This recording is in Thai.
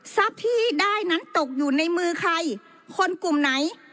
ที่ได้นั้นตกอยู่ในมือใครคนกลุ่มไหน